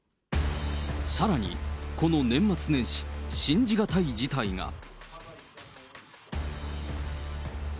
さらにこの年末年始、信じがたい事態が。